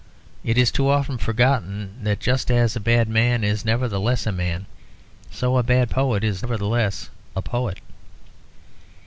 It is too often forgotten that just as a bad man is nevertheless a man, so a bad poet is nevertheless a poet.